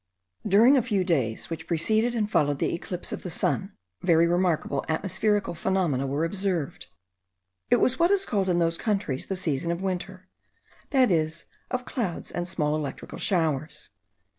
During a few days which preceded and followed the eclipse of the sun, very remarkable atmospherical phenomena were observable. It was what is called in those countries the season of winter; that is, of clouds and small electrical showers.